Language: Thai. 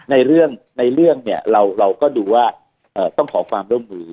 ในเรื่องในเรื่องเนี่ยเราก็ดูว่าต้องขอความร่วมมือ